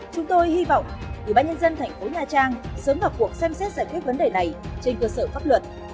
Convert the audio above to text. chúng tôi hy vọng ủy ban nhân dân thành phố nha trang sớm vào cuộc xem xét giải quyết vấn đề này trên cơ sở pháp luật